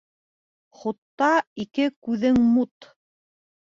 Хутта ике күҙең мут.